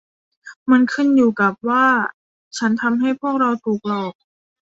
มันขึ้นอยู่กับว่าฉันทำให้พวกเราถูกหลอก